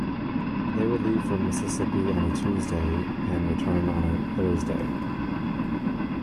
They would leave for Mississippi on a Tuesday and return on a Thursday.